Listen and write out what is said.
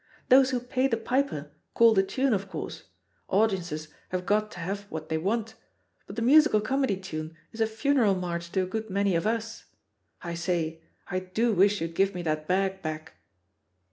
Those who pay the piper call tlie tune, of course ; audiences have got to have what they want; but the musical comedy tune is a funeral march to a good many of us. I say^ I do wish you'd give me that bag back!"